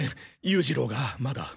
優次郎がまだ。